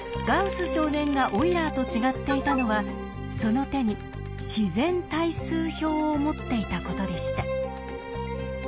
少年がオイラーと違っていたのはその手に「自然対数表」を持っていたことでした。